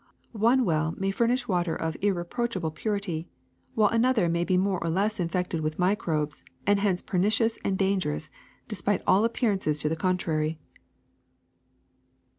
One well may furnish water of irreproachable purity, while another may be more or less infected with microbes and hence pernicious and dangerous despite all appearances to the con trary.